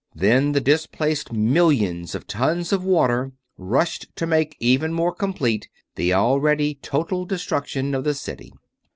Then the displaced millions of tons of water rushed to make even more complete the already total destruction of the city.